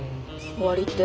終わりって？